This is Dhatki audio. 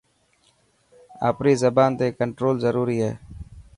آپري زبان تي ڪنٽرول ضروري هي.